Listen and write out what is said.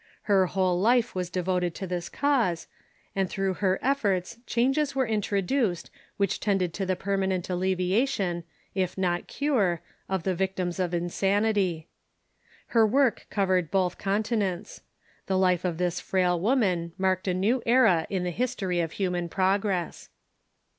Her whole life was devoted to this cause, and through her efforts changes were introduced which tended to the permanent alleviation, if not cure, of the victims of insanity. Her work covered both continents. The life of this frail woman marked a new era in the history of human progress.